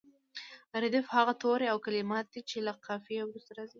ردیف هغه توري او کلمات دي چې له قافیې وروسته راځي.